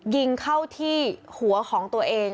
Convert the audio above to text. ยิงเข้าที่หัวของตัวเอง